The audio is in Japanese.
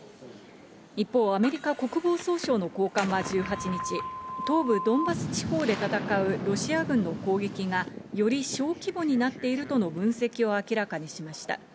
一方、アメリカ国防総省の高官は１８日、東部ドンバス地方で戦うロシア軍の攻撃がより小規模になっているとの分析を明らかにしました。